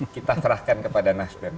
kita serahkan kepada nasdem